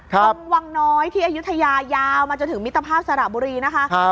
วังน้อยที่อายุทยายาวมาจนถึงมิตรภาพสระบุรีนะคะ